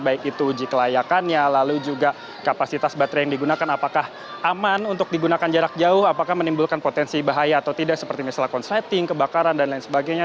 baik itu uji kelayakannya lalu juga kapasitas baterai yang digunakan apakah aman untuk digunakan jarak jauh apakah menimbulkan potensi bahaya atau tidak seperti misalnya konsleting kebakaran dan lain sebagainya